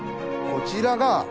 こちらが。